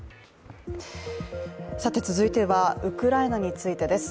続いてはウクライナについてです。